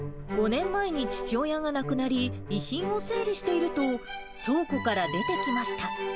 ５年前に父親が亡くなり、遺品を整理していると、倉庫から出てきました。